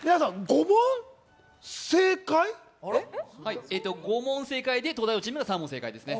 ５問正解で、東大王チームが３問正解ですね。